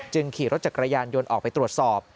ขี่รถจักรยานยนต์ออกไปตรวจสอบ